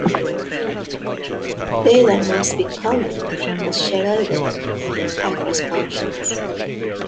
Data must be common and shareable across functions.